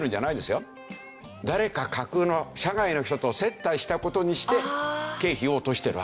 誰か架空の社外の人と接待した事にして。